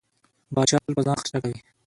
پاچا تل په ځان خرچه کوي.